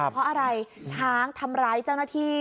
เพราะอะไรช้างทำร้ายเจ้าหน้าที่